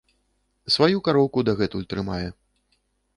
Сваю кароўку дагэтуль трымае.